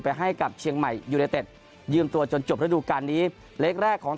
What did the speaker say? ให้กับเชียงใหม่ยูเนเต็ดยืมตัวจนจบระดูการนี้เล็กแรกของ